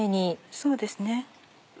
そうですね。